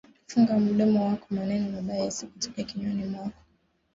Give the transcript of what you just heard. Funga mudomo wako maneno mabaya yasikutoke kinywani mwako